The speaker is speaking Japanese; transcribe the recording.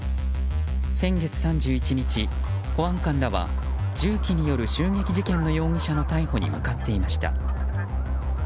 先月３１日保安官らは銃器による襲撃事件の容疑者の逮捕に向かっていました。